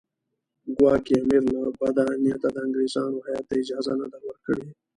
ګواکې امیر له بده نیته د انګریزانو هیات ته اجازه نه ده ورکړې.